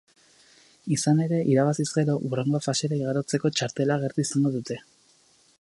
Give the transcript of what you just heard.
Izan ere, irabaziz gero, hurrengo fasera igarotzeko txartela gertu izango dute.